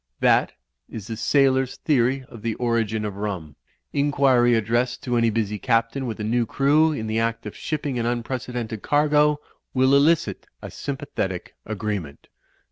That is the sailor's theory of the origin of rum. Inquiry addressed to any busy Captain with a new crew in the act of ship ping an unprecedented cargo, will elicit a sympathetic agreement."